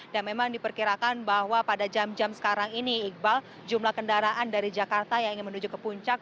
dan memang diperkirakan bahwa pada jam jam sekarang ini iqbal jumlah kendaraan dari jakarta yang ingin menuju ke puncak